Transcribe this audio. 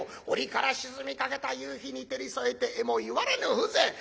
折から沈みかけた夕日に照り添えてえも言われぬ風情。